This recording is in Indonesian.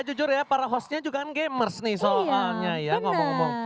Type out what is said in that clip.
ya jujur ya para hostnya juga kan gamers nih soalnya ya ngomong ngomong